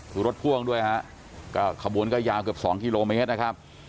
คือรถพ่วงด้วยฮะก็ขบวนก็ยาวเกือบ๒กิโลเมตรนะครับ